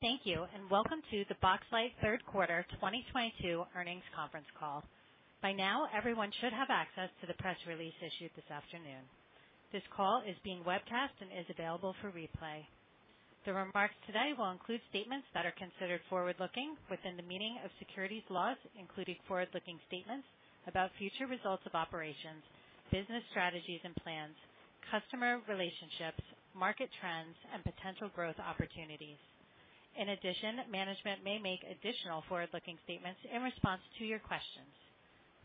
Thank you and welcome to the Boxlight 1/3 1/4 2022 earnings conference call. By now, everyone should have access to the press release issued this afternoon. This call is being webcast and is available for replay. The remarks today will include statements that are considered Forward-Looking within the meaning of securities laws, including Forward-Looking statements about future results of operations, business strategies and plans, customer relationships, market trends and potential growth opportunities. In addition, management may make additional Forward-Looking statements in response to your questions.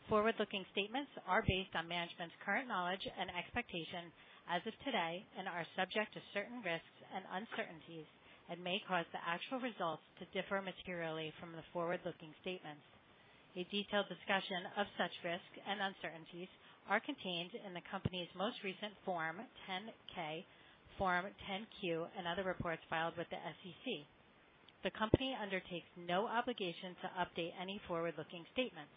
Forward-looking statements are based on management's current knowledge and expectation as of today and are subject to certain risks and uncertainties that may cause the actual results to differ materially from the Forward-Looking statements. A detailed discussion of such risks and uncertainties are contained in the company's most recent Form 10-K, Form 10-Q, and other reports filed with the SEC. The company undertakes no obligation to update any Forward-Looking statements.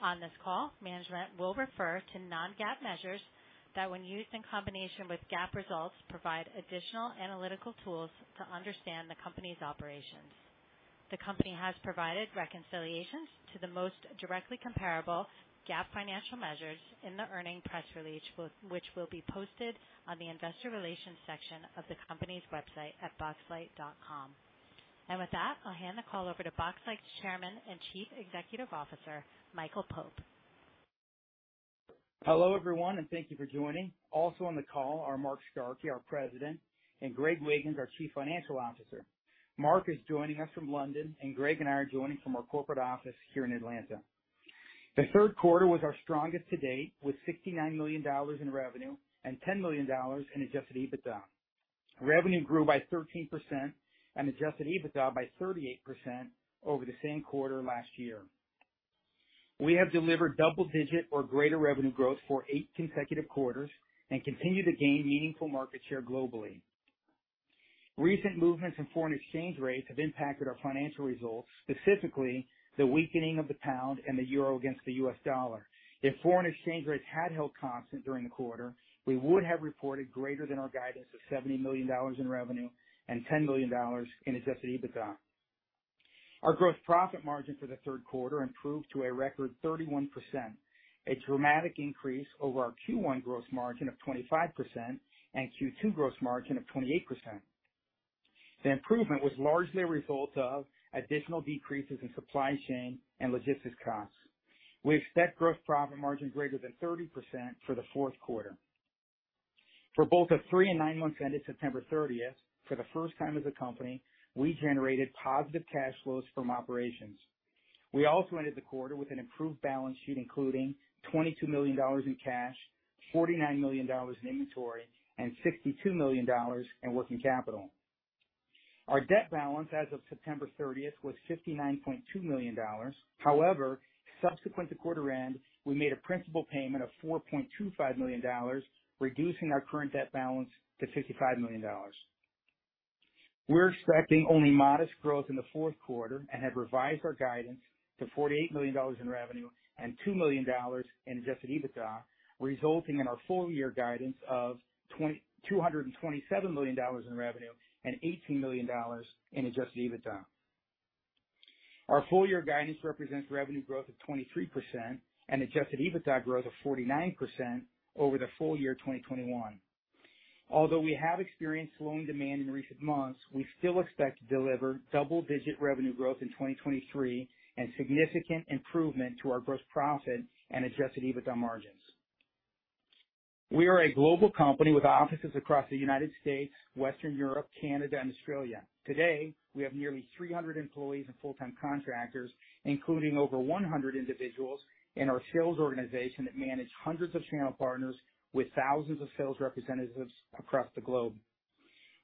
On this call, management will refer to Non-GAAP measures that, when used in combination with GAAP results, provide additional analytical tools to understand the company's operations. The company has provided reconciliations to the most directly comparable GAAP financial measures in the earnings press release, which will be posted on the investor relations section of the company's website at boxlight.com. With that, I'll hand the call over to Boxlight's Chairman and Chief Executive Officer, Michael Pope. Hello, everyone, and thank you for joining. Also on the call are Mark Starkey, our President, and Greg Wiggins, our Chief Financial Officer. Mark is joining us from London, and Greg and I are joining from our corporate office here in Atlanta. The 1/3 1/4 was our strongest to date, with $69 million in revenue and $10 million in adjusted EBITDA. Revenue grew by 13% and adjusted EBITDA by 38% over the same 1/4 last year. We have delivered Double-Digit or greater revenue growth for 8 consecutive quarters and continue to gain meaningful market share globally. Recent movements in foreign exchange rates have impacted our financial results, specifically the weakening of the pound and the euro against the U.S. dollar. If foreign exchange rates had held constant during the 1/4, we would have reported greater than our guidance of $70 million in revenue and $10 million in adjusted EBITDA. Our gross profit margin for the 1/3 1/4 improved to a record 31%, a dramatic increase over our Q1 gross margin of 25% and Q2 gross margin of 28%. The improvement was largely a result of additional decreases in supply chain and logistics costs. We expect gross profit margin greater than 30% for the fourth 1/4. For both the 3 and 9 months ended September 30th, for the first time as a company, we generated positive cash flows from operations. We also ended the 1/4 with an improved balance sheet, including $22 million in cash, $49 million in inventory and $62 million in working capital. Our debt balance as of September thirtieth was $59.2 million. However, subsequent to 1/4 end, we made a principal payment of $4.25 million, reducing our current debt balance to $55 million. We're expecting only modest growth in the fourth 1/4 and have revised our guidance to $48 million in revenue and $2 million in adjusted EBITDA, resulting in our full year guidance of $227 million in revenue and $18 million in adjusted EBITDA. Our full year guidance represents revenue growth of 23% and adjusted EBITDA growth of 49% over the full year 2021. Although we have experienced slowing demand in recent months, we still expect to deliver double digit revenue growth in 2023 and significant improvement to our gross profit and adjusted EBITDA margins. We are a global company with offices across the United States, Western Europe, Canada and Australia. Today, we have nearly 300 employees and Full-Time contractors, including over 100 individuals in our sales organization that manage hundreds of channel partners with thousands of sales representatives across the globe.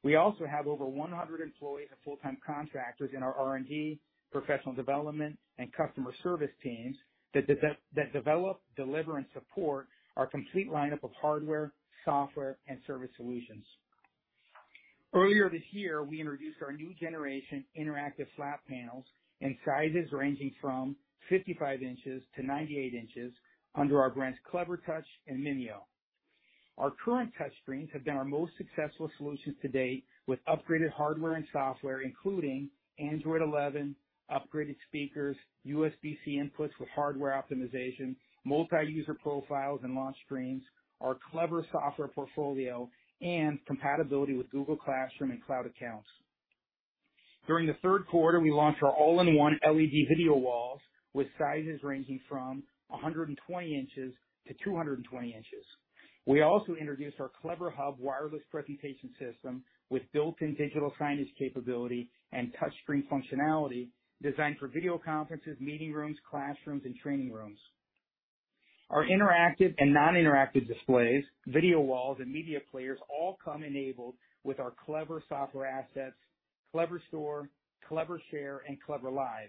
We also have over 100 employees and Full-Time contractors in our R&D, professional development and customer service teams that develop, deliver and support our complete lineup of hardware, software and service solutions. Earlier this year, we introduced our new generation interactive flat panels in sizes ranging from 55 inches to 98 inches under our brands, Clevertouch and Mimio. Our current touch screens have been our most successful solutions to date with upgraded hardware and software, including Android 11, upgraded speakers, USB-C inputs with hardware optimization, multi-user profiles and launch screens, our Clever software portfolio and compatibility with Google Classroom and cloud accounts. During the 1/3 1/4, we launched our all-in-one LED video walls with sizes ranging from 120 inches to 220 inches. We also introduced our CleverHub wireless presentation system with built-in digital signage capability and touchscreen functionality designed for video conferences, meeting rooms, classrooms and training rooms. Our interactive and Non-Interactive displays, video walls and media players all come enabled with our Clever software assets, CleverStore, CleverShare and CleverLive.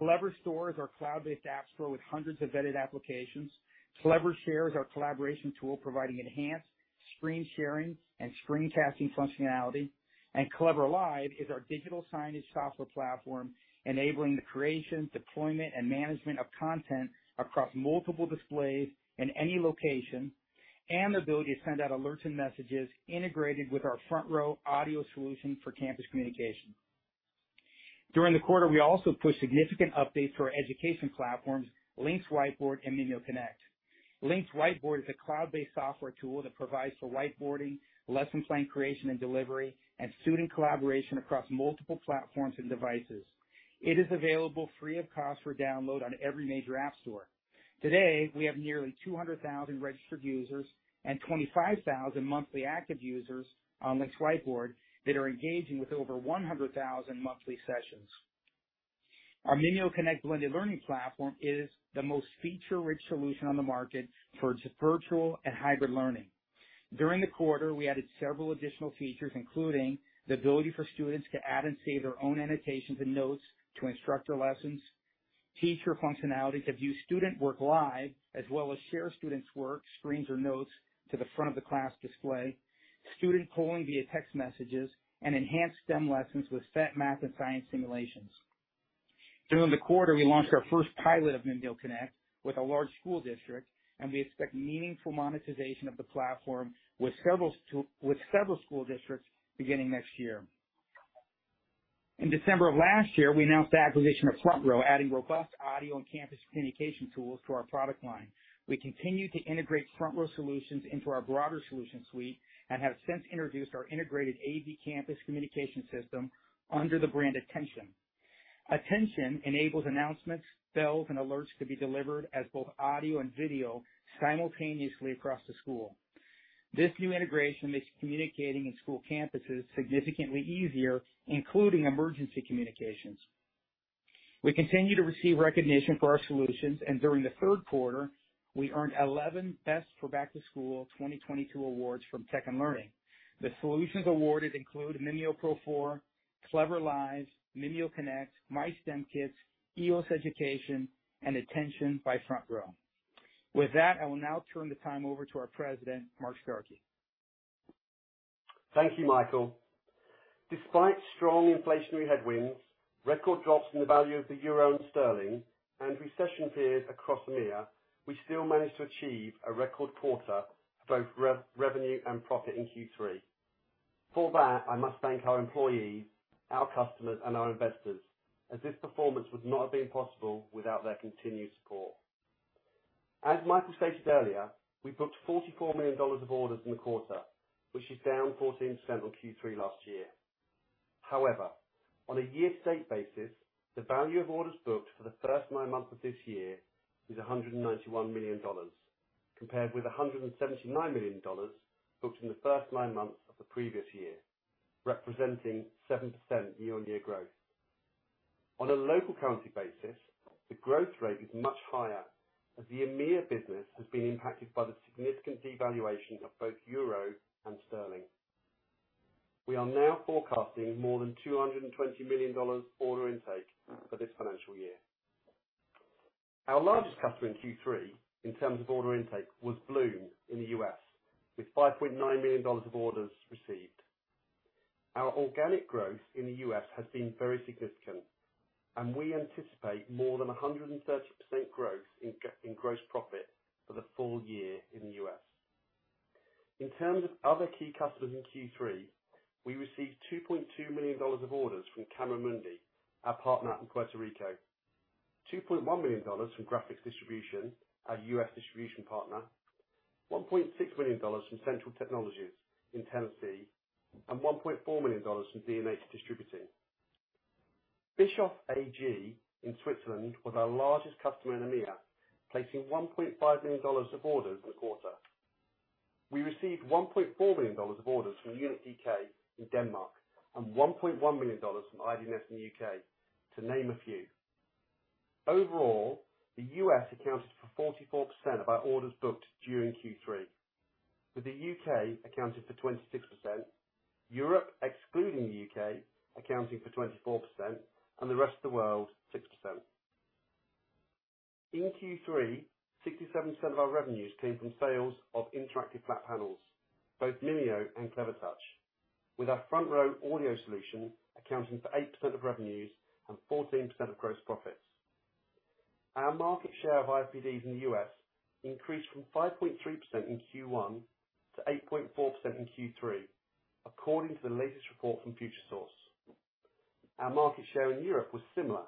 CleverStore is our Cloud-Based app store with hundreds of vetted applications. CleverShare is our collaboration tool providing enhanced screen sharing and screencasting functionality. CleverLive is our digital signage software platform, enabling the creation, deployment and management of content across multiple displays in any location. The ability to send out alerts and messages integrated with our FrontRow audio solution for campus communication. During the 1/4, we also pushed significant updates to our education platforms, LYNX Whiteboard and MimioConnect. LYNX Whiteboard is a Cloud-Based software tool that provides for whiteboarding, lesson plan creation and delivery, and student collaboration across multiple platforms and devices. It is available free of cost for download on every major app store. Today, we have nearly 200,000 registered users and 25,000 monthly active users on LYNX Whiteboard that are engaging with over 100,000 monthly sessions. Our MimioConnect blended learning platform is the most feature-rich solution on the market for virtual and hybrid learning. During the 1/4, we added several additional features, including the ability for students to add and save their own annotations and notes to instructor lessons, teacher functionality to view student work live, as well as share students' work, screens, or notes to the front of the class display, student polling via text messages, and enhanced STEM lessons with set math and science simulations. During the 1/4, we launched our first pilot of MimioConnect with a large school district, and we expect meaningful monetization of the platform with several school districts beginning next year. In December of last year, we announced the acquisition of FrontRow, adding robust audio and campus communication tools to our product line. We continue to integrate FrontRow solutions into our broader solution suite and have since introduced our integrated AV campus communication system under the brand Attention. ATTENTION! enables announcements, bells, and alerts to be delivered as both audio and video simultaneously across the school. This new integration makes communicating in school campuses significantly easier, including emergency communications. We continue to receive recognition for our solutions, and during the 1/3 1/4, we earned 11 Best for Back to School 2022 awards from Tech & Learning. The solutions awarded include MimioPro 4, CleverLive, MimioConnect, MyStemKits, EOS Education, and ATTENTION! by FrontRow. With that, I will now turn the time over to our President, Mark Starkey. Thank you, Michael. Despite strong inflationary headwinds, record drops in the value of the euro and sterling, and recession fears across EMEA, we still managed to achieve a record 1/4 for both revenue and profit in Q3. For that, I must thank our employees, our customers, and our investors, as this performance would not have been possible without their continued support. As Michael stated earlier, we booked $44 million of orders in the 1/4, which is down 14% on Q3 last year. However, on a Year-To-Date basis, the value of orders booked for the first 9 months of this year is $191 million, compared with $179 million booked in the first 9 months of the previous year, representing 7% year-on-year growth. On a local currency basis, the growth rate is much higher as the EMEA business has been impacted by the significant devaluation of both euro and sterling. We are now forecasting more than $220 million order intake for this financial year. Our largest customer in Q3 in terms of order intake was Bluum in the U.S., with $5.9 million of orders received. Our organic growth in the U.S. has been very significant, and we anticipate more than 130% growth in gross profit for the full year in the U.S. In terms of other key customers in Q3, we received $2.2 million of orders from Camera Mundi, our partner in Puerto Rico, $2.1 million from Graphics Distribution, our U.S. distribution partner, $1.6 million from Central Technologies in Tennessee, and $1.4 million from DNA Distributors. Bischof AG in Switzerland was our largest customer in EMEA, placing $1.5 million of orders in the 1/4. We received $1.4 million of orders from Unit DK in Denmark, and $1.1 million from IDNS in the U.K. to name a few. Overall, the U.S. accounted for 44% of our orders booked during Q3, with the U.K. accounting for 26%, Europe excluding the U.K. accounting for 24%, and the rest of the world 6%. In Q3, 67% of our revenues came from sales of interactive flat panels, both Mimio and Clevertouch, with our FrontRow audio solution accounting for 8% of revenues and 14% of gross profits. Our market share of IFPDs in the U.S. increased from 5.3% in Q1 to 8.4% in Q3, according to the latest report from Futuresource. Our market share in Europe was similar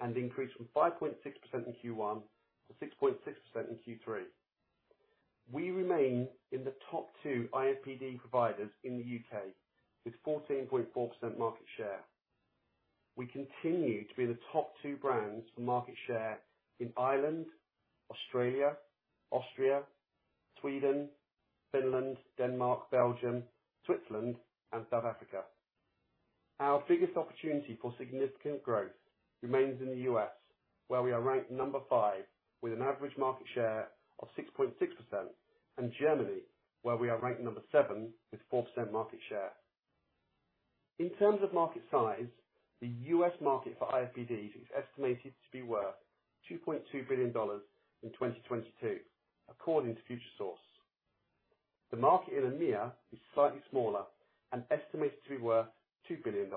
and increased from 5.6% in Q1 to 6.6% in Q3. We remain in the top 2 IFPD providers in the U.K., with 14.4% market share. We continue to be the top 2 brands for market share in Ireland, Australia, Austria, Sweden, Finland, Denmark, Belgium, Switzerland, and South Africa. Our biggest opportunity for significant growth remains in the U.S., where we are ranked number 5, with an average market share of 6.6%, and Germany, where we are ranked number 7 with 4% market share. In terms of market size, the U.S. market for IFPDs is estimated to be worth $2.2 billion in 2022 according to Futuresource. The market in EMEA is slightly smaller and estimated to be worth $2 billion.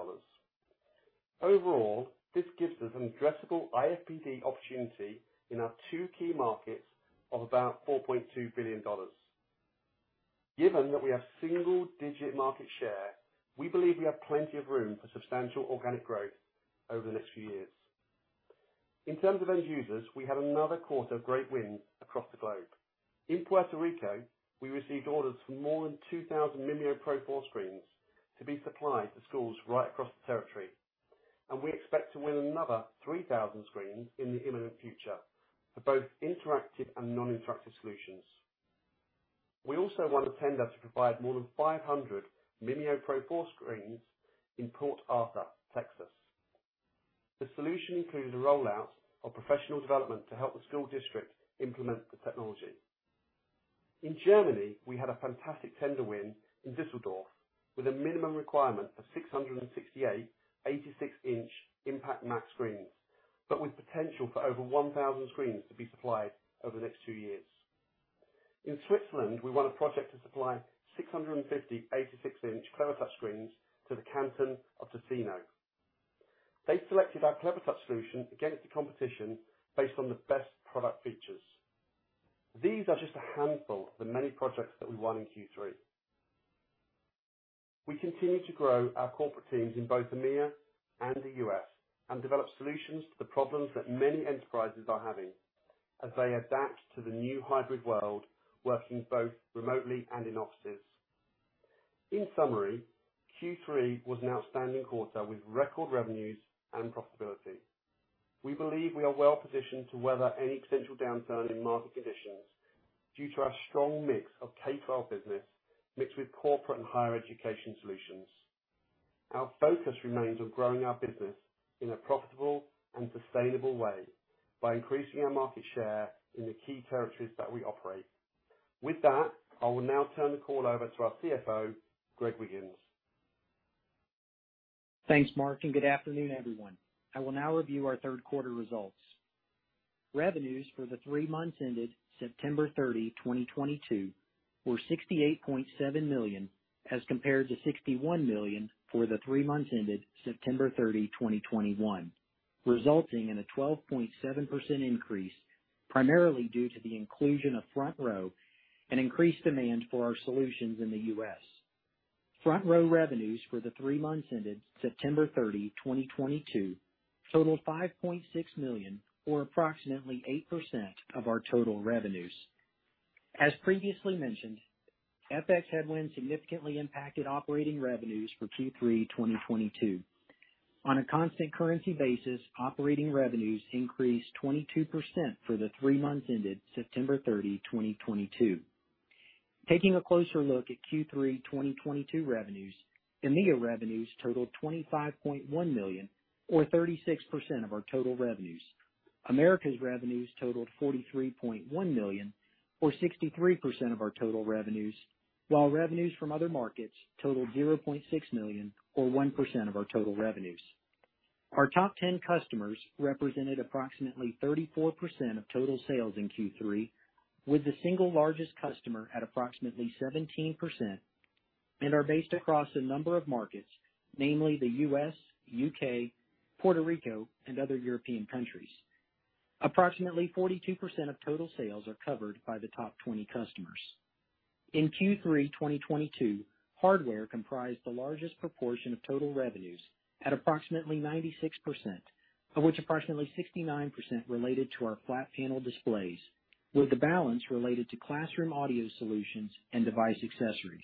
Overall, this gives us an addressable IFPD opportunity in our 2 key markets of about $4.2 billion. Given that we have single-digit market share, we believe we have plenty of room for substantial organic growth over the next few years. In terms of end users, we had another 1/4 of great wins across the globe. In Puerto Rico, we received orders for more than 2,000 MimioPro 4 screens to be supplied to schools right across the territory, and we expect to win another 3,000 screens in the imminent future for both interactive and Non-Interactive solutions. We also won a tender to provide more than 500 MimioPro 4 screens in Port Arthur, Texas. The solution includes a rollout of professional development to help the school district implement the technology. In Germany, we had a fantastic tender win in Düsseldorf with a minimum requirement of 668 86-inch IMPACT Max screens, but with potential for over 1,000 screens to be supplied over the next 2 years. In Switzerland, we won a project to supply 650 86-Inch Clevertouch screens to the canton of Ticino. They selected our Clevertouch solution against the competition based on the best product features. These are just a handful of the many projects that we won in Q3. We continue to grow our corporate teams in both EMEA and the U.S. and develop solutions to the problems that many enterprises are having as they adapt to the new hybrid world, working both remotely and in offices. In summary, Q3 was an outstanding 1/4 with record revenues and profitability. We believe we are well positioned to weather any potential downturn in market conditions due to our strong mix of K-12 business mixed with corporate and higher education solutions. Our focus remains on growing our business in a profitable and sustainable way by increasing our market share in the key territories that we operate. With that, I will now turn the call over to our CFO, Greg Wiggins. Thanks, Mark, and good afternoon, everyone. I will now review our 1/3 1/4 results. Revenues for the 3 months ended September 30, 2022 were $68.7 million as compared to $61 million for the 3 months ended September 30, 2021, resulting in a 12.7% increase, primarily due to the inclusion of FrontRow and increased demand for our solutions in the US. FrontRow revenues for the 3 months ended September 30, 2022 totaled $5.6 million or approximately 8% of our total revenues. As previously mentioned, FX headwinds significantly impacted operating revenues for Q3 2022. On a constant currency basis, operating revenues increased 22% for the 3 months ended September 30, 2022. Taking a closer look at Q3 2022 revenues, EMEA revenues totaled $25.1 million or 36% of our total revenues. Americas revenues totaled $43.1 million or 63% of our total revenues, while revenues from other markets totaled $0.6 million or 1% of our total revenues. Our top ten customers represented approximately 34% of total sales in Q3, with the single largest customer at approximately 17% and are based across a number of markets, namely the U.S., U.K., Puerto Rico, and other European countries. Approximately 42% of total sales are covered by the top twenty customers. In Q3 2022, hardware comprised the largest proportion of total revenues at approximately 96%, of which approximately 69% related to our flat panel displays, with the balance related to classroom audio solutions and device accessories.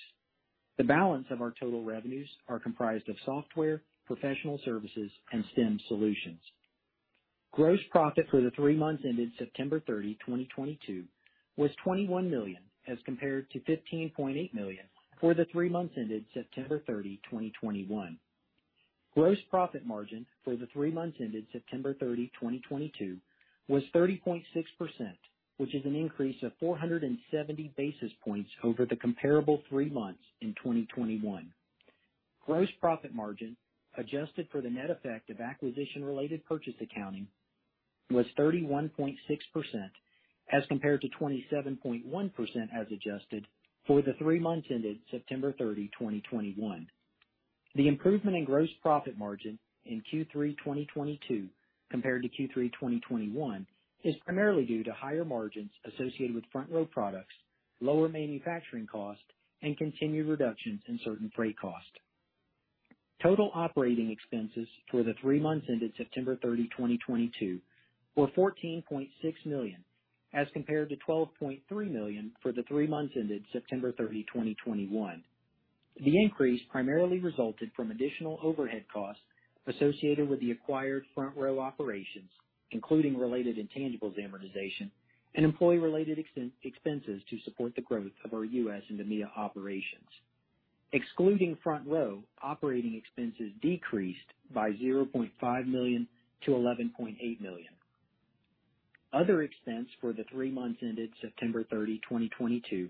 The balance of our total revenues are comprised of software, professional services, and STEM solutions. Gross profit for the 3 months ended September 30, 2022 was $21 million as compared to $15.8 million for the 3 months ended September 30, 2021. Gross profit margin for the 3 months ended September 30, 2022 was 30.6%, which is an increase of 470 basis points over the comparable 3 months in 2021. Gross profit margin, adjusted for the net effect of acquisition-related purchase accounting was 31.6% as compared to 27.1% as adjusted for the 3 months ended September 30, 2021. The improvement in gross profit margin in Q3 2022 compared to Q3 2021 is primarily due to higher margins associated with FrontRow products, lower manufacturing cost, and continued reductions in certain freight costs. Total operating expenses for the 3 months ended September 30, 2022 were $14.6 million as compared to $12.3 million for the 3 months ended September 30, 2021. The increase primarily resulted from additional overhead costs associated with the acquired FrontRow operations, including related intangibles amortization and employee-related expenses to support the growth of our US and EMEA operations. Excluding FrontRow, operating expenses decreased by $0.5 million to $11.8 million. Other expense for the 3 months ended September 30, 2022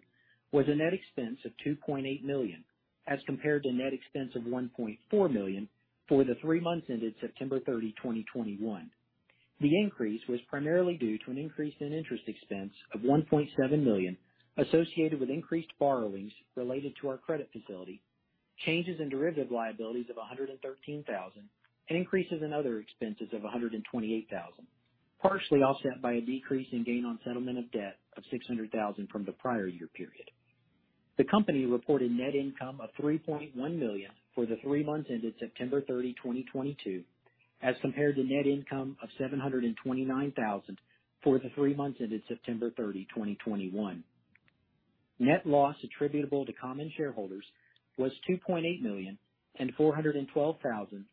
was a net expense of $2.8 million, as compared to net expense of $1.4 million for the 3 months ended September 30, 2021. The increase was primarily due to an increase in interest expense of $1.7 million associated with increased borrowings related to our credit facility, Changes in derivative liabilities of $113,000, and increases in other expenses of $128,000, partially offset by a decrease in gain on settlement of debt of $600,000 from the prior year period. The company reported net income of $3.1 million for the 3 months ended September 30, 2022, as compared to net income of $729,000 for the 3 months ended September 30, 2021. Net loss attributable to common shareholders was $2.8 million and $412,000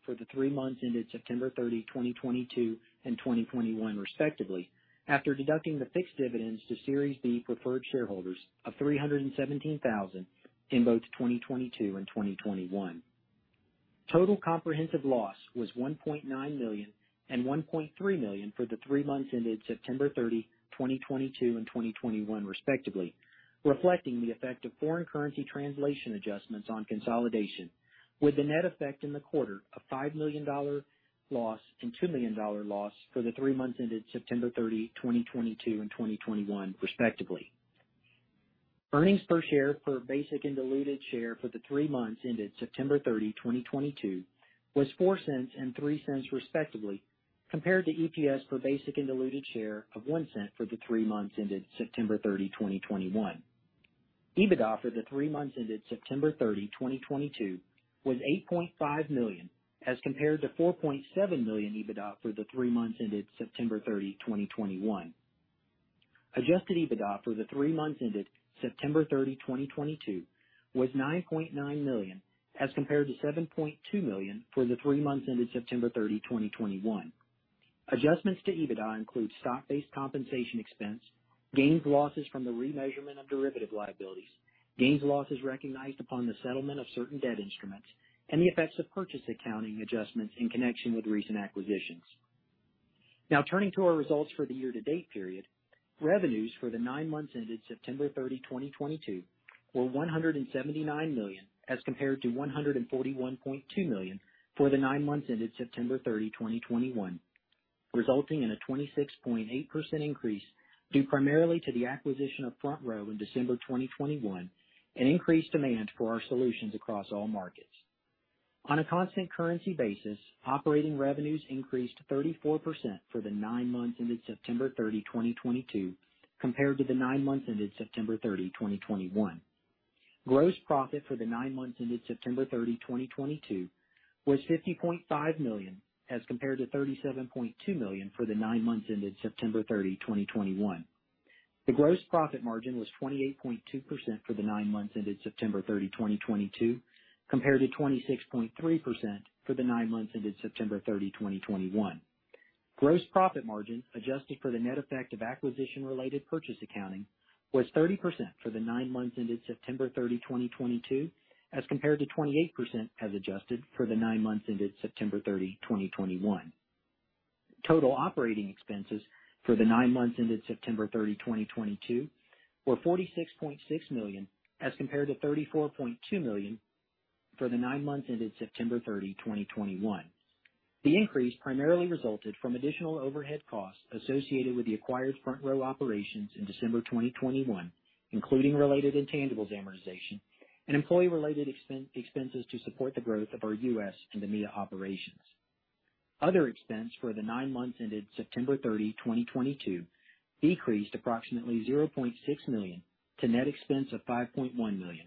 for the 3 months ended September 30, 2022 and 2021 respectively, after deducting the fixed dividends to Series B preferred shareholders of $317,000 in both 2022 and 2021. Total comprehensive loss was $1.9 million and $1.3 million for the 3 months ended September 30, 2022 and 2021 respectively, reflecting the effect of foreign currency translation adjustments on consolidation, with a net effect in the 1/4 of $5 million loss and $2 million loss for the 3 months ended September 30, 2022 and 2021 respectively. Earnings per share per basic and diluted share for the 3 months ended September 30, 2022 was $0.04 and $0.03 respectively, compared to EPS per basic and diluted share of $0.01 for the 3 months ended September 30, 2021. EBITDA for the 3 months ended September 30, 2022 was $8.5 million as compared to $4.7 million EBITDA for the 3 months ended September 30, 2021. Adjusted EBITDA for the 3 months ended September 30, 2022 was $9.9 million as compared to $7.2 million for the 3 months ended September 30, 2021. Adjustments to EBITDA include stock-based compensation expense, gains losses from the remeasurement of derivative liabilities, gains losses recognized upon the settlement of certain debt instruments, and the effects of purchase accounting adjustments in connection with recent acquisitions. Now turning to our results for the Year-To-Date period. Revenues for the 9 months ended September 30, 2022 were $179 million as compared to $141.2 million for the 9 months ended September 30, 2021, resulting in a 26.8% increase due primarily to the acquisition of FrontRow in December 2021 and increased demand for our solutions across all markets. On a constant currency basis, operating revenues increased 34% for the 9 months ended September 30, 2022 compared to the 9 months ended September 30, 2021. Gross profit for the 9 months ended September 30, 2022 was $50.5 million as compared to $37.2 million for the 9 months ended September 30, 2021. The gross profit margin was 28.2% for the 9 months ended September 30, 2022 compared to 26.3% for the 9 months ended September 30, 2021. Gross profit margin, adjusted for the net effect of acquisition-related purchase accounting, was 30% for the 9 months ended September 30, 2022, as compared to 28% as adjusted for the 9 months ended September 30, 2021. Total operating expenses for the 9 months ended September 30, 2022 were $46.6 million as compared to $34.2 million for the 9 months ended September 30, 2021. The increase primarily resulted from additional overhead costs associated with the acquired FrontRow operations in December 2021, including related intangibles amortization and employee-related expenses to support the growth of our US and EMEA operations. Other expense for the 9 months ended September 30, 2022 decreased approximately $0.6 million to net expense of $5.1 million,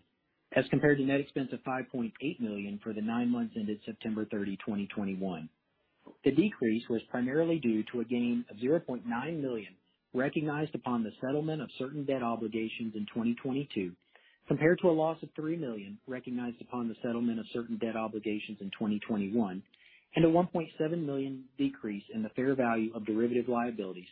as compared to net expense of $5.8 million for the 9 months ended September 30, 2021. The decrease was primarily due to a gain of $0.9 million recognized upon the settlement of certain debt obligations in 2022, compared to a loss of $3 million recognized upon the settlement of certain debt obligations in 2021, and a $1.7 million decrease in the fair value of derivative liabilities,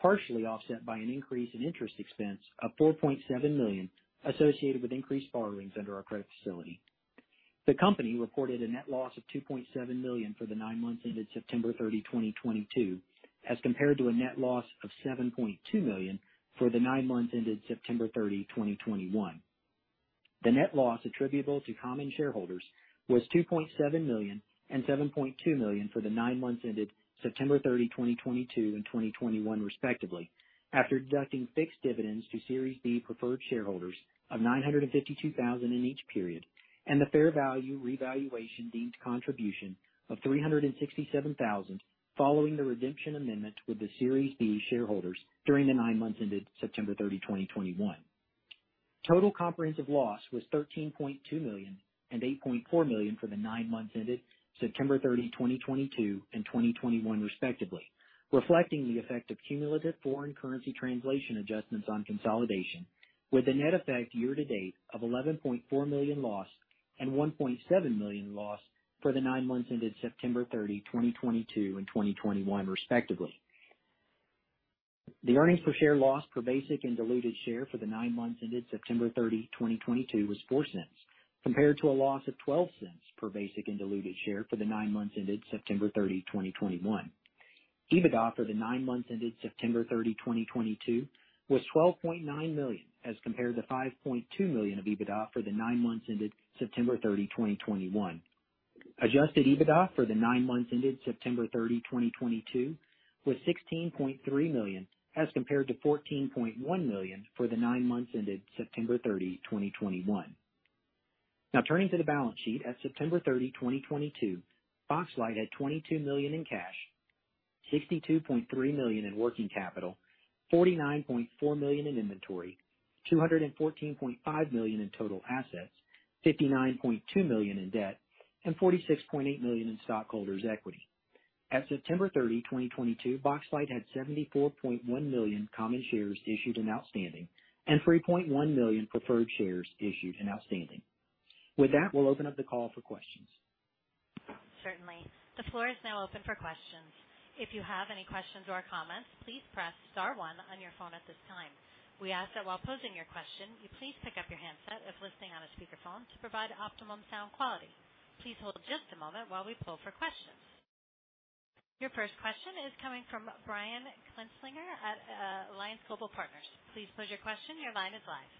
partially offset by an increase in interest expense of $4.7 million associated with increased borrowings under our credit facility. The company reported a net loss of $2.7 million for the 9 months ended September 30, 2022, as compared to a net loss of $7.2 million for the 9 months ended September 30, 2021. The net loss attributable to common shareholders was $2.7 million and $7.2 million for the 9 months ended September 30, 2022 and 2021 respectively, after deducting fixed dividends to Series B preferred shareholders of $952 thousand in each period and the fair value revaluation deemed contribution of $367 thousand following the redemption amendment with the Series B shareholders during the 9 months ended September 30, 2021. Total comprehensive loss was $13.2 million and $8.4 million for the 9 months ended September 30, 2022 and 2021 respectively, reflecting the effect of cumulative foreign currency translation adjustments on consolidation, with a net effect year to date of $11.4 million loss and $1.7 million loss for the 9 months ended September 30, 2022 and 2021 respectively. The earnings per share loss per basic and diluted share for the 9 months ended September 30, 2022 was $0.04, compared to a loss of $0.12 per basic and diluted share for the 9 months ended September 30, 2021. EBITDA for the 9 months ended September 30, 2022 was $12.9 million as compared to $5.2 million of EBITDA for the 9 months ended September 30, 2021. Adjusted EBITDA for the 9 months ended September 30, 2022 was $16.3 million, as compared to $14.1 million for the 9 months ended September 30, 2021. Now turning to the balance sheet, at September 30, 2022, Boxlight had $22 million in cash, $62.3 million in working capital, $49.4 million in inventory, $214.5 million in total assets, $59.2 million in debt, and $46.8 million in stockholders' equity. At September 30, 2022, Boxlight had 74.1 million common shares issued and outstanding and 3.1 million preferred shares issued and outstanding. With that, we'll open up the call for questions. Certainly. The floor is now open for questions. If you have any questions or comments, please press star one on your phone at this time. We ask that while posing your question, you please pick up your handset if listening on a speakerphone to provide optimum sound quality. Please hold just a moment while we pull for questions. Your first question is coming from Brian Kinstlinger at Alliance Global Partners. Please pose your question. Your line is live.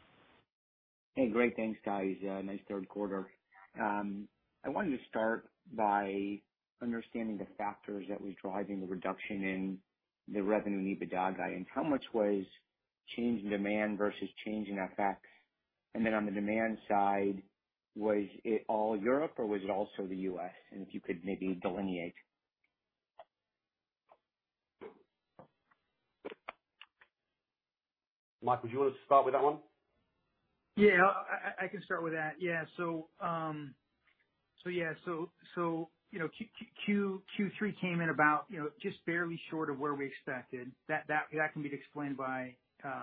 Hey, great. Thanks, guys. Nice 1/3 1/4. I wanted to start by understanding the factors that was driving the reduction in the revenue and EBITDA guidance. How much was change in demand versus change in FX? Then on the demand side, was it all Europe or was it also the US? If you could maybe delineate. Michael, would you want to start with that one? I can start with that. Yeah. You know, Q3 came in about just barely short of where we expected. That can be explained by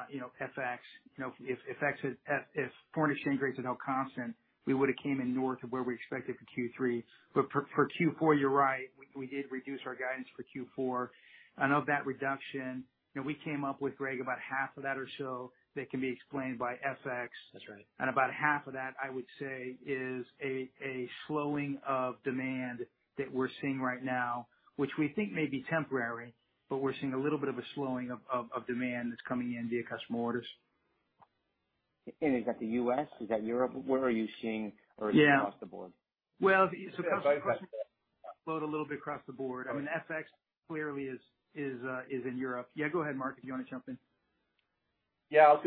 you know, FX. You know, if foreign exchange rates had held constant, we would have came in north of where we expected for Q3. But for Q4, you're right, we did reduce our guidance for Q4. Of that reduction, you know, we came up with, Greg, about 1/2 of that or so that can be explained by FX. That's right. About 1/2 of that, I would say, is a slowing of demand that we're seeing right now, which we think may be temporary, but we're seeing a little bit of a slowing of demand that's coming in via customer orders. Is that the U.S., is that Europe? Where are you seeing- Yeah. Is it across the board? Customer load a little bit across the board. I mean, FX clearly is in Europe. Yeah, go ahead, Mark, if you want to jump in. I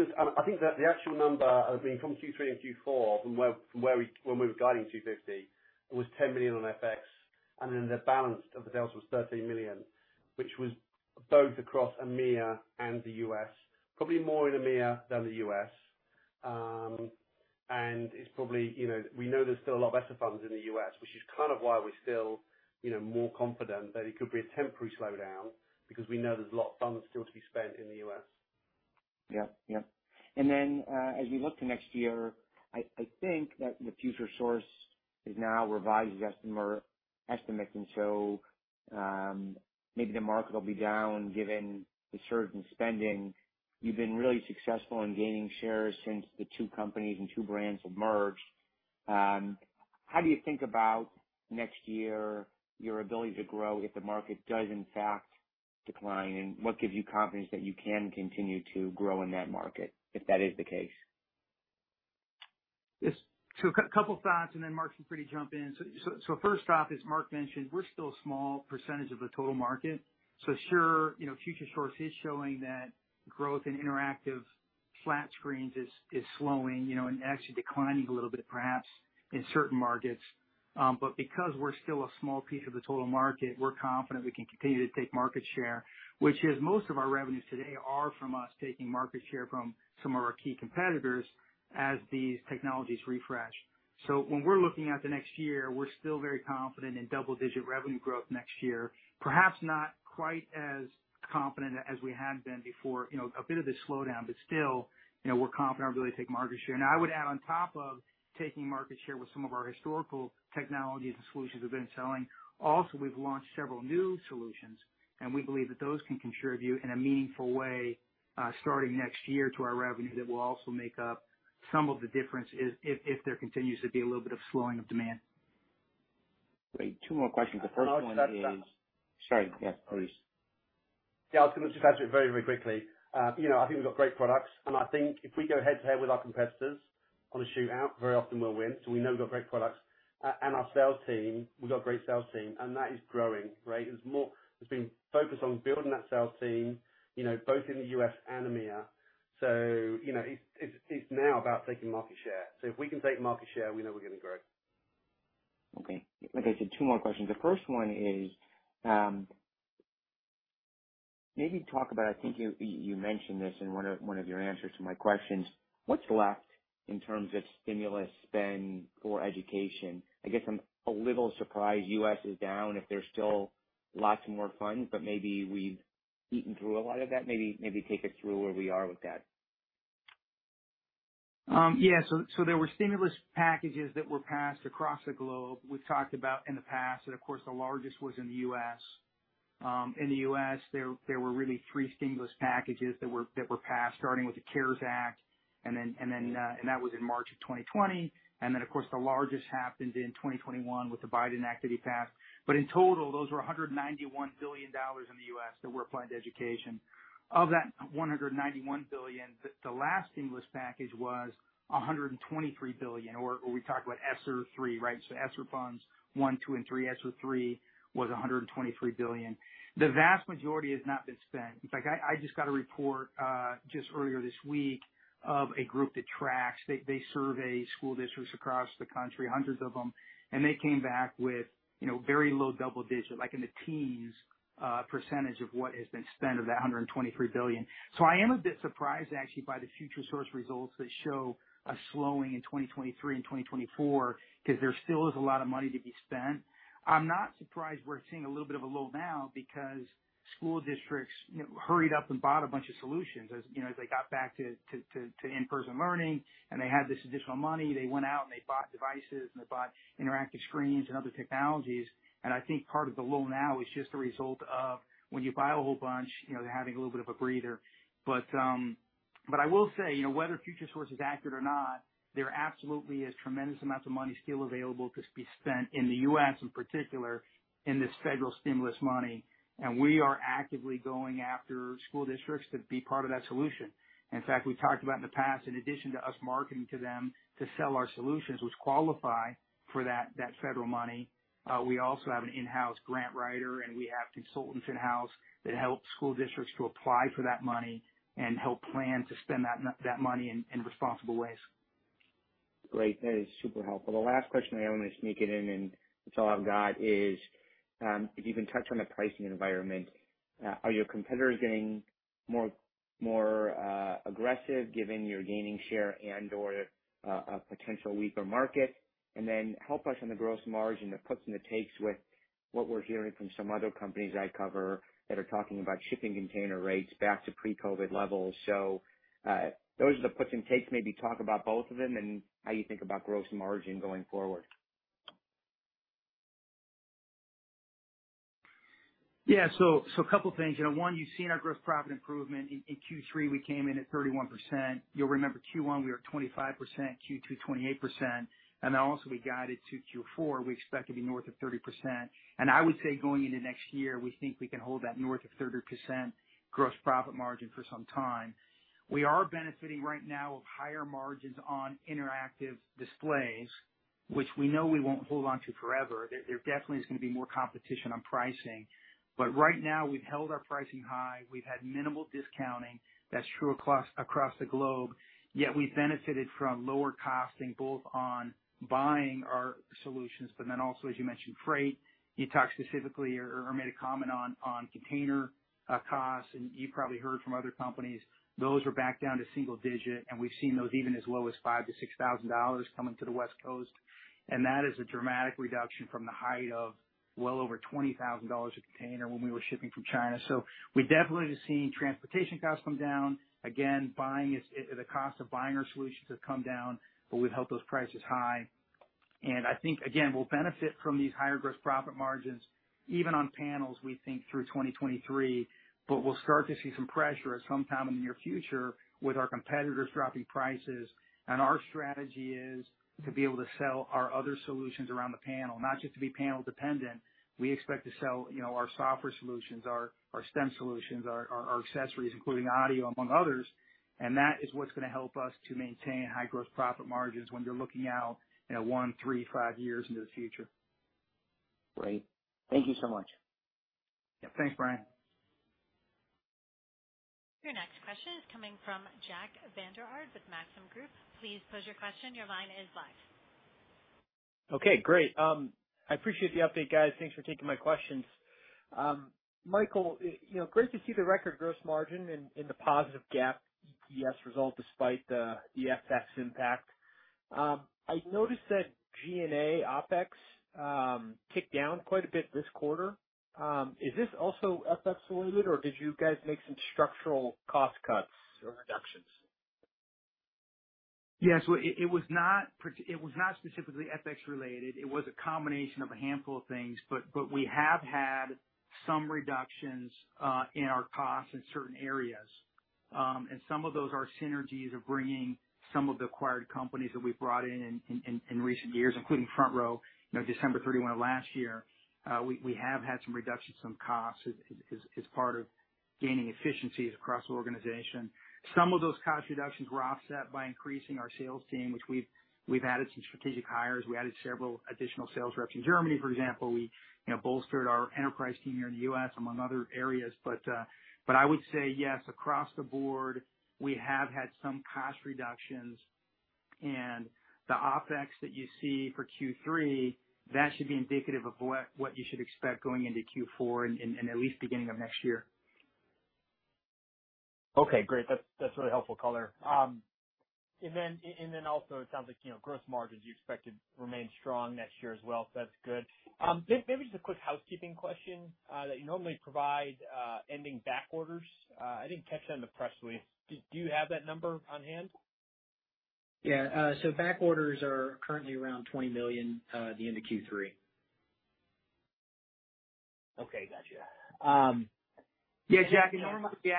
think that the actual number, I mean, from Q3 and Q4, from where we were guiding Q 50, it was $10 million on FX, and then the balance of the delta was $13 million, which was both across EMEA and the U.S., probably more in EMEA than the U.S. It's probably, you know, we know there's still a lot of ESSER funds in the U.S., which is kind of why we're still, you know, more confident that it could be a temporary slowdown because we know there's a lot of funds still to be spent in the U.S. As we look to next year, I think that the Futuresource has now revised its estimates, and so maybe the market will be down given the surge in spending. You've been really successful in gaining shares since the 2 companies and 2 brands have merged. How do you think about next year, your ability to grow if the market does in fact decline, and what gives you confidence that you can continue to grow in that market, if that is the case? Yes. A couple thoughts, and then Mark is free to jump in. First off, as Mark mentioned, we're still a small percentage of the total market. Sure, you know, Futuresource is showing that growth in interactive flat screens is slowing, you know, and actually declining a little bit perhaps in certain markets. But because we're still a small piece of the total market, we're confident we can continue to take market share, which is most of our revenues today are from us taking market share from some of our key competitors as these technologies refresh. When we're looking at the next year, we're still very confident in double-digit revenue growth next year. Perhaps not quite as confident as we had been before, you know, a bit of a slowdown, but still, you know, we're confident we'll be able to take market share. Now, I would add on top of taking market share with some of our historical technologies and solutions we've been selling, also, we've launched several new solutions, and we believe that those can contribute in a meaningful way, starting next year to our revenue. That will also make up some of the difference if there continues to be a little bit of slowing of demand. Great. Two more questions. The first one is. No, I'll just add to that. Sorry. Yeah, please. Yeah, I was gonna just add to it very, very quickly. You know, I think we've got great products. I think if we go Head-To-Head with our competitors on a shootout, very often we'll win. We know we've got great products. Our sales team, we've got a great sales team, and that is growing, right? There's been focus on building that sales team, you know, both in the U.S. and EMEA. You know, it's now about taking market share. If we can take market share, we know we're gonna grow. Okay. Like I said, 2 more questions. The first one is, maybe talk about, I think you mentioned this in one of your answers to my questions. What's left in terms of stimulus spend for education? I guess I'm a little surprised U.S. is down if there's still lots more funds, but maybe we've eaten through a lot of that. Maybe take us through where we are with that. There were stimulus packages that were passed across the globe we've talked about in the past, and of course, the largest was in the US. In the US there were really 3 stimulus packages that were passed, starting with the CARES Act, and then that was in March of 2020. Of course, the largest happened in 2021 with the American Rescue Plan Act passed. In total, those were $191 billion in the US that were applied to education. Of that $191 billion, the last stimulus package was $123 billion, or we talk about ESSER III, right? So ESSER funds I, II, and III. ESSER III was $123 billion. The vast majority has not been spent. In fact, I just got a report just earlier this week of a group that tracks. They survey school districts across the country, hundreds of them. They came back with, you know, very low Double-Digit, like in the teens, percentage of what has been spent of that $123 billion. I am a bit surprised actually, by the Futuresource results that show a slowing in 2023 and 2024, 'cause there still is a lot of money to be spent. I'm not surprised we're seeing a little bit of a lull now because school districts, you know, hurried up and bought a bunch of solutions as, you know, as they got back to In-Person learning and they had this additional money, they went out and they bought devices and they bought interactive screens and other technologies. I think part of the lull now is just a result of when you buy a whole bunch, you know, they're having a little bit of a breather. But I will say, you know, whether Futuresource is accurate or not, there absolutely is tremendous amounts of money still available to be spent in the U.S., in particular, in this federal stimulus money. We are actively going after school districts to be part of that solution. In fact, we talked about in the past, in addition to us marketing to them to sell our solutions which qualify for that federal money, we also have an In-House grant writer, and we have consultants in house that help school districts to apply for that money and help plan to spend that money in responsible ways. Great. That is super helpful. The last question I want to sneak it in, and that's all I've got, is if you can touch on the pricing environment, are your competitors getting more aggressive given your gaining share and/or a potential weaker market? Then help us on the gross margin, the puts and the takes with what we're hearing from some other companies I cover that are talking about shipping container rates back to pre-COVID levels. Those are the puts and the takes. Maybe talk about both of them and how you think about gross margin going forward. Yeah, a couple things. You know, one, you've seen our gross profit improvement. In Q3 we came in at 31%. You'll remember Q1 we were at 25%, Q2 28%. We guided to Q4, we expect to be north of 30%. I would say going into next year, we think we can hold that north of 30% gross profit margin for some time. We are benefiting right now of higher margins on interactive displays, which we know we won't hold onto forever. There definitely is gonna be more competition on pricing. Right now we've held our pricing high. We've had minimal discounting. That's true across the globe. Yet we've benefited from lower costing, both on buying our solutions, but then also, as you mentioned, freight. You talked specifically or made a comment on container costs, and you probably heard from other companies, those are back down to single digit and we've seen those even as low as $5,000-$6,000 coming to the West Coast. That is a dramatic reduction from the height of well over $20,000 a container when we were shipping from China. We definitely are seeing transportation costs come down. Again, the cost of buying our solutions have come down, but we've held those prices high. I think, again, we'll benefit from these higher gross profit margins, even on panels, we think through 2023, but we'll start to see some pressure at some time in the near future with our competitors dropping prices. Our strategy is to be able to sell our other solutions around the panel, not just to be panel dependent. We expect to sell, you know, our software solutions, our STEM solutions, our accessories, including audio among others. That is what's gonna help us to maintain high gross profit margins when you're looking out, you know, 1, 3, 5 years into the future. Great. Thank you so much. Yeah, thanks, Brian. Your next question is coming from Jack Vander Aarde with Maxim Group. Please pose your question. Your line is live. Okay, great. I appreciate the update, guys. Thanks for taking my questions. Michael, you know, great to see the record gross margin and the positive GAAP EPS result despite the FX impact. I noticed that G&A OpEx ticked down quite a bit this 1/4. Is this also FX related, or did you guys make some structural cost cuts or reductions? Yes. Well, it was not specifically FX related. It was a combination of a handful of things. We have had some reductions in our costs in certain areas. Some of those are synergies of bringing some of the acquired companies that we've brought in in recent years, including FrontRow, you know, December 31 of last year. We have had some reductions in costs as part of gaining efficiencies across the organization. Some of those cost reductions were offset by increasing our sales team, which we've added some strategic hires. We added several additional sales reps in Germany, for example. We, you know, bolstered our enterprise team here in the U.S. among other areas. I would say, yes, across the board we have had some cost reductions. The OpEx that you see for Q3, that should be indicative of what you should expect going into Q4 and at least beginning of next year. Okay, great. That's really helpful color. Also it sounds like, you know, gross margins you expect to remain strong next year as well, so that's good. Maybe just a quick housekeeping question that you normally provide, ending back orders. I didn't catch that in the press release. Do you have that number on hand? Yeah. Back orders are currently around $20 million at the end of Q3. Okay. Gotcha. Yeah, Jack, you know, yeah.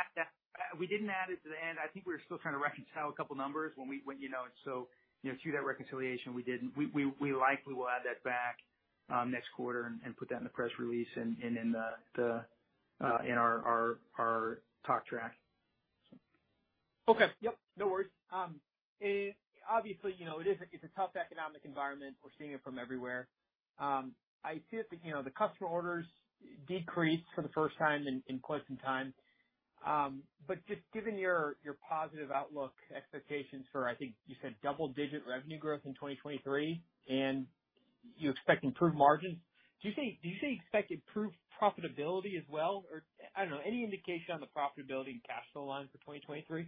We didn't add it to the end. I think we were still trying to reconcile a couple numbers when we you know, and so you know through that reconciliation, we didn't. We likely will add that back next 1/4 and put that in the press release and in the in our talk track. Okay. Yep, no worries. Obviously, you know, it's a tough economic environment. We're seeing it from everywhere. I see that, you know, the customer orders decreased for the first time in quite some time. But just given your positive outlook expectations for, I think you said Double-Digit revenue growth in 2023, and you expect improved margins. Do you think you expect improved profitability as well? Or, I don't know, any indication on the profitability and cash flow lines for 2023?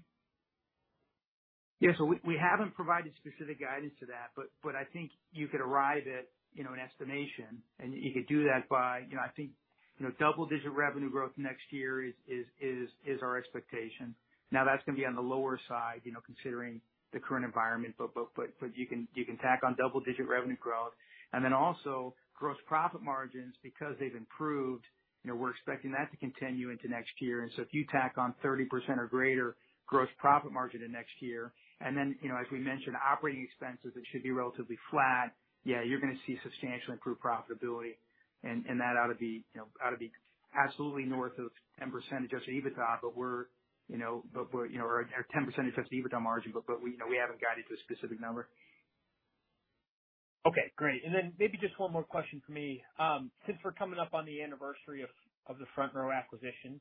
Yeah. We haven't provided specific guidance to that, but I think you could arrive at, you know, an estimation, and you could do that by, you know, I think, you know, double-digit revenue growth next year is our expectation. Now, that's gonna be on the lower side, you know, considering the current environment. You can tack on double-digit revenue growth and then also gross profit margins because they've improved, you know, we're expecting that to continue into next year. If you tack on 30% or greater gross profit margin in next year, and then, you know, as we mentioned, operating expenses, it should be relatively flat. Yeah, you're gonna see substantially improved profitability. That ought to be, you know, absolutely north of 10% adjusted EBITDA. We're, you know, our 10% adjusted EBITDA margin. We, you know, haven't guided to a specific number. Okay, great. Maybe just one more question from me. Since we're coming up on the anniversary of the FrontRow acquisition,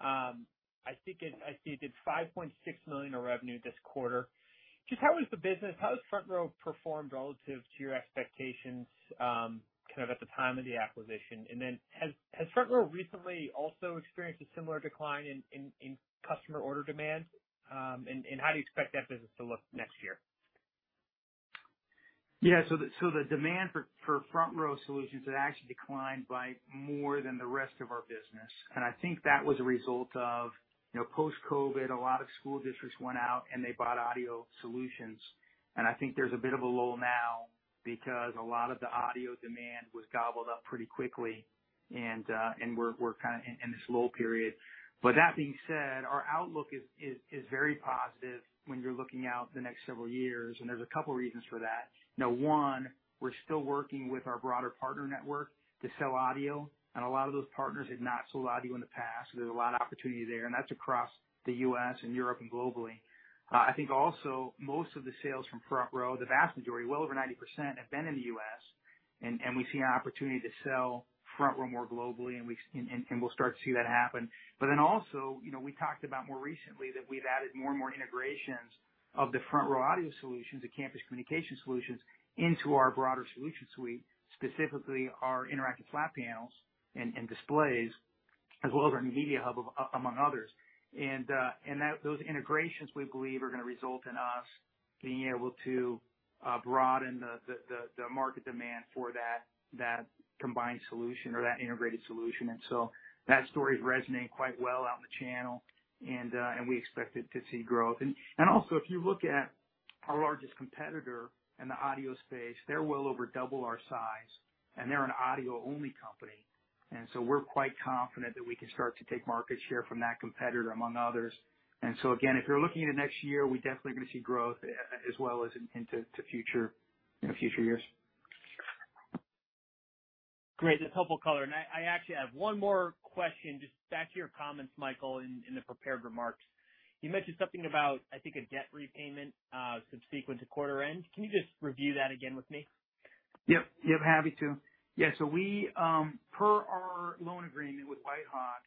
I see it did $5.6 million in revenue this 1/4. How has FrontRow performed relative to your expectations kind of at the time of the acquisition? Has FrontRow recently also experienced a similar decline in customer order demand? How do you expect that business to look next year? Yeah. The demand for FrontRow solutions had actually declined by more than the rest of our business. I think that was a result of, you know, Post-COVID, a lot of school districts went out and they bought audio solutions. I think there's a bit of a lull now because a lot of the audio demand was gobbled up pretty quickly. We're kinda in this lull period. That being said, our outlook is very positive when you're looking out the next several years. There's a couple reasons for that. Now, one, we're still working with our broader partner network to sell audio, and a lot of those partners had not sold audio in the past. There's a lot of opportunity there, and that's across the U.S. and Europe and globally. I think also most of the sales from FrontRow, the vast majority, well over 90%, have been in the U.S., and we see an opportunity to sell FrontRow more globally and we'll start to see that happen. Also, you know, we talked about more recently that we've added more and more integrations of the FrontRow audio solutions, the campus communication solutions into our broader solution suite, specifically our interactive flat panels and displays, as well as our MediaHub, among others. Those integrations we believe are gonna result in us being able to broaden the market demand for that combined solution or that integrated solution. That story is resonating quite well out in the channel and we expect it to see growth. Also, if you look at our largest competitor in the audio space, they're well over double our size and they're an audio-only company. We're quite confident that we can start to take market share from that competitor, among others. Again, if you're looking into next year, we're definitely gonna see growth as well as into future, you know, future years. Great. That's helpful color. I actually have one more question. Just back to your comments, Michael, in the prepared remarks. You mentioned something about, I think, a debt repayment subsequent to 1/4 end. Can you just review that again with me? Yep. Yep, happy to. Yeah, we per our loan agreement with WhiteHawk,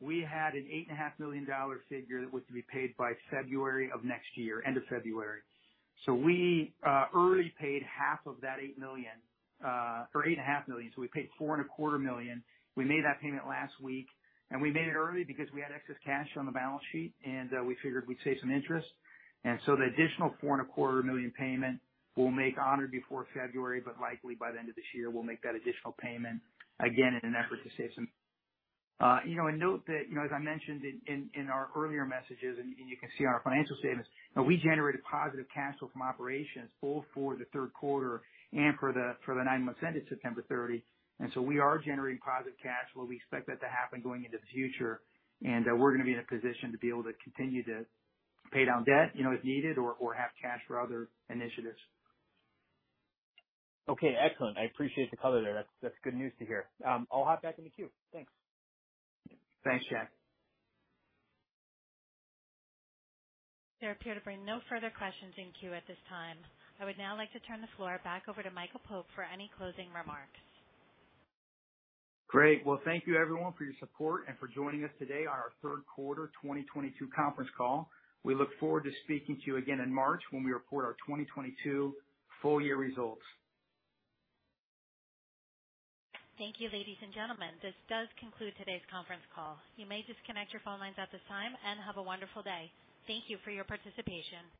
we had a $8.5 million figure that was to be paid by February of next year, end of February. We early paid 1/2 of that $8 million or $8.5 million. We paid $4.25 million. We made that payment last week, and we made it early because we had excess cash on the balance sheet, and we figured we'd save some interest. The additional $4.25 million payment we'll make on or before February, but likely by the end of this year, we'll make that additional payment again in an effort to save some. You know, note that, you know, as I mentioned in our earlier messages, and you can see in our financial statements, you know, we generated positive cash flow from operations both for the 1/3 1/4 and for the 9 months ended September 30. We are generating positive cash flow. We expect that to happen going into the future. We're gonna be in a position to be able to continue to pay down debt, you know, if needed or have cash for other initiatives. Okay, excellent. I appreciate the color there. That's good news to hear. I'll hop back in the queue. Thanks. Thanks, Jack. There appear to be no further questions in queue at this time. I would now like to turn the floor back over to Michael Pope for any closing remarks. Great. Well, thank you everyone for your support and for joining us today on our 1/3 1/4 2022 conference call. We look forward to speaking to you again in March when we report our 2022 full year results. Thank you, ladies and gentlemen. This does conclude today's conference call. You may disconnect your phone lines at this time and have a wonderful day. Thank you for your participation.